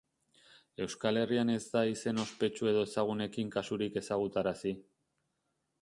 Euskal Herrian ez da izen ospetsu edo ezagunekin kasurik ezagutarazi.